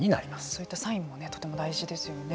そういったサインもとても大事ですよね。